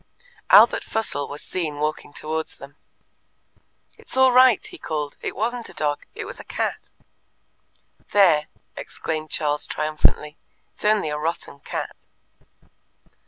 Albert Fussell was seen walking towards them. "It's all right!" he called. "It wasn't a dog, it was a cat." "There!" exclaimed Charles triumphantly. "It's only a rotten cat.